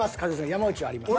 山内はあります。